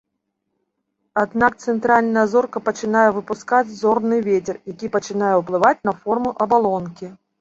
Аднак цэнтральная зорка пачынае выпускаць зорны вецер, які пачынае ўплываць на форму абалонкі.